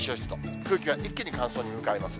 空気が一気に乾燥に向かいますね。